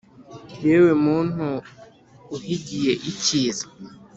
yewe muntu uhigiye icyiza